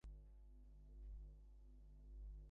এক বার দেখাও যা এক শ বার দেখাও তা।